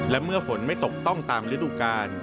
และเมื่อฝนไม่ตกต้องตามฤดูกาล